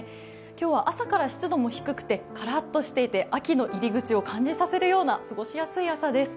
今日は朝から湿度も低くてからっとしていて秋の入り口を感じさせるような過ごしやすい朝です。